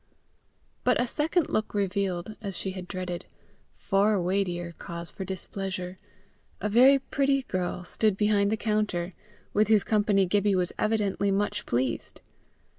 But a second look revealed, as she had dreaded, far weightier cause for displeasure: a very pretty girl stood behind the counter, with whose company Gibbie was evidently much pleased.